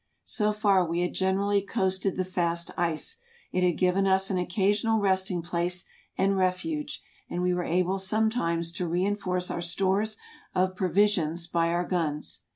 So far we had generally coasted the fast ice ; it had given us an occasional resting place and refuge, and we were able sometimes to reinforce our stores of provisions by our guns.